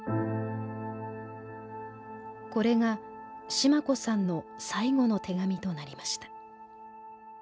これがシマ子さんの最後の手紙となりました。